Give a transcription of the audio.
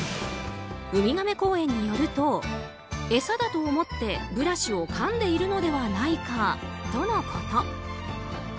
ウミガメ公園によると餌だと思ってブラシをかんでいるのではないかとのこと。